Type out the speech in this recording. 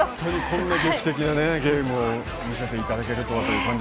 こんな劇的なゲームを見せていただけるとは。